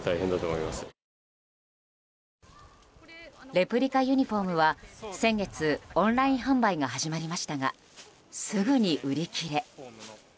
レプリカユニホームは先月オンライン販売が始まりましたがすぐに売り切れ。